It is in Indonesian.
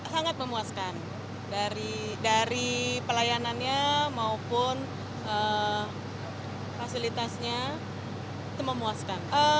sangat memuaskan dari pelayanannya maupun fasilitasnya itu memuaskan